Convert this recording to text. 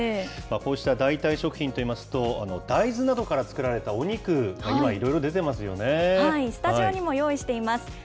こうした代替食品といいますと、大豆などから作られたお肉が今、スタジオにも用意しています。